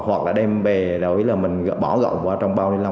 hoặc là đem về đối với là mình bỏ gọng vào trong bao ni lông